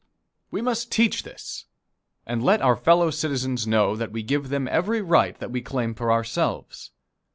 We must teach this, and let our fellow citizens know that we give them every right that we claim for ourselves.